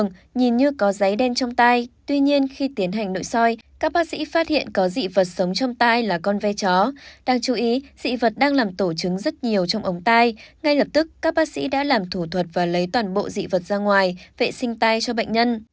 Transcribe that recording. ngay lập tức các bác sĩ đã làm thủ thuật và lấy toàn bộ dị vật ra ngoài vệ sinh tai cho bệnh nhân